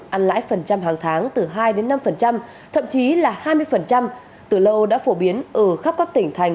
ăn lãi phần trăm hàng tháng từ hai đến năm thậm chí là hai mươi từ lâu đã phổ biến ở khắp các tỉnh thành